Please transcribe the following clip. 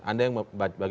anda bagaimana membacanya